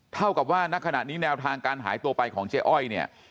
เท่ากับว่าณขณะนี้แนวทางการหายตัวไปของเจ๊อ้อยเนี่ย